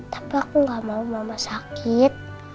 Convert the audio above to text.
tapi aku tidak mau bapak sakit